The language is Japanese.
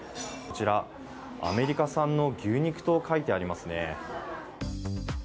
アメリカ産の牛肉と書いてありますね。